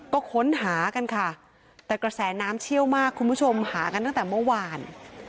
ก็ค้นหากันค่ะแต่กระแสน้ำเชี่ยวมากคุณผู้ชมหากันตั้งแต่เมื่อวาน